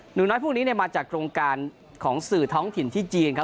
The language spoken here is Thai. หนูน้อยพวกนี้มาจากโครงการของสื่อท้องถิ่นที่จีนครับ